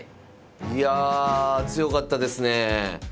いや強かったですね。